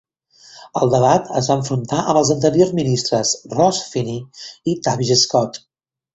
Al debat, es va enfrontar amb els anteriors ministres Ross Finnie i Tavish Scott.